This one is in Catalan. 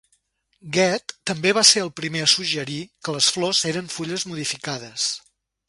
Goethe també va ser el primer a suggerir que les flors eren fulles modificades.